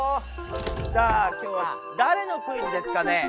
さあ今日はだれのクイズですかね？